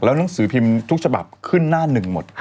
หนังสือพิมพ์ทุกฉบับขึ้นหน้าหนึ่งหมด